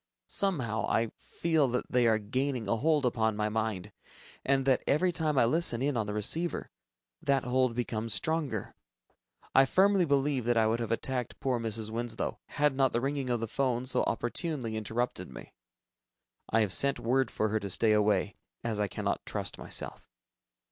Somehow, I feel that they are gaining a hold upon my mind, and that every time I listen in on the receiver, that hold becomes stronger. I firmly believe that I would have attacked poor Mrs. Winslow, had not the ringing of the 'phone so opportunely interrupted me. I have sent word for her to stay away ... as I cannot trust myself.